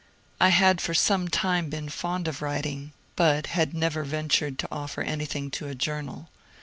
I had for some time been fond of writing, but had never ventured to offer anything to a journal.